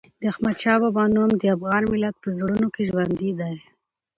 د احمدشاه بابا نوم د افغان ملت په زړونو کې ژوندي دی.